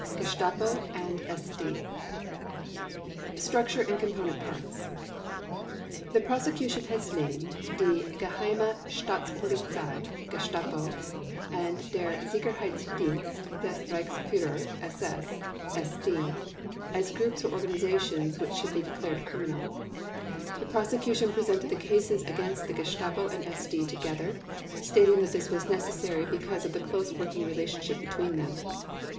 GESTAPO AND SD Structure and Component Parts: The Prosecution has named Die Geheime Staatspolizei (Gestapo) and Der Sicherheitsdienst des Reichsführer SS (SD) as groups or organizations which should be declared criminal. The Prosecution presented the cases against the Gestapo and SD together, stating that this was necessary because of the close working relationship between them.